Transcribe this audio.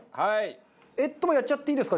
もうやっちゃっていいですか？